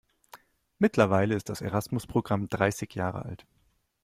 Mittlerweile ist das Erasmus-Programm dreißig Jahre alt.